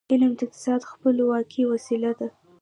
علم د اقتصادي خپلواکی وسیله ده.